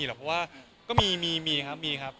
หรอกเพราะว่าก็มีครับมีครับ